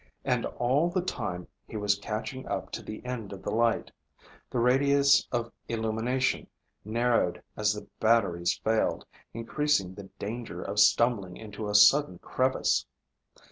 And all the time he was catching up to the end of the light. The radius of illumination narrowed as the batteries failed, increasing the danger of stumbling into a sudden crevice.